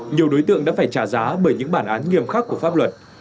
nhiều đối tượng đã phải trả giá bởi những bản án nghiêm khắc của pháp luật